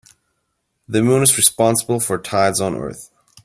The moon is responsible for tides on earth.